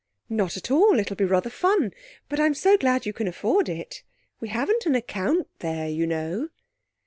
'Not at all. It'll be rather fun. But I'm so glad you can afford it. We haven't an account there, you know.'